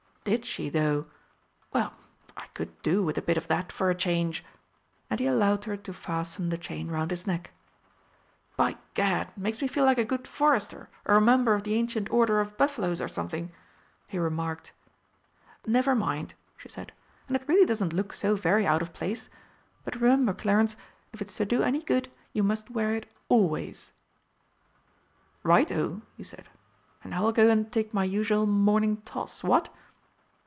"Did she, though? Well, I could do with a bit of that for a change." And he allowed her to fasten the chain round his neck. "By Gad, makes me feel like a Good Forester or a Member of the Ancient Order of Buffaloes or something!" he remarked. "Never mind," she said; "and it really doesn't look so very out of place. But remember, Clarence, if it's to do any good, you must wear it always." "Right oh!" he said; "and now I'll go and take my usual morning toss, what?"